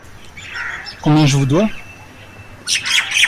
Combien je vous dois ?